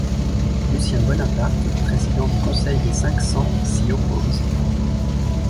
Lucien Bonaparte, président du Conseil des Cinq-Cents, s'y oppose.